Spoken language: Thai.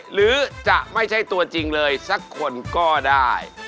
หรือจะไม่ใช่ตัวจริงเลยสักคนก็ได้